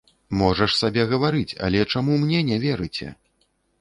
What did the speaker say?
Можаш сабе гаварыць, але чаму мне не верыце!